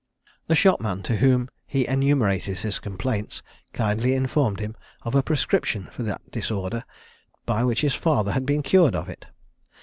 The shopman, to whom he enumerated his complaints, kindly informed him of a prescription for that disorder, by which his father had been cured of it.